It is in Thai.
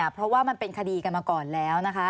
เพราะว่ามันเป็นคดีกันมาก่อนแล้วนะคะ